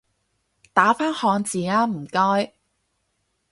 打返漢字吖唔該